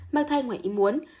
mang thai ngoài im muốn